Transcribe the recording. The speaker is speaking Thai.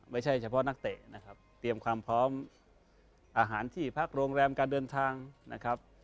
ไม่ใช่เฉพาะนักเตะนะครับเตรียมความพร้อมอาหารที่พักโรงแรมการเดินทางนะครับ